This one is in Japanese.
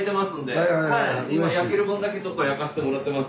今焼ける分だけちょっと焼かせてもらってます。